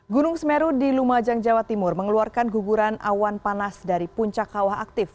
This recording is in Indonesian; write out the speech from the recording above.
gunung semeru di lumajang jawa timur mengeluarkan guguran awan panas dari puncak kawah aktif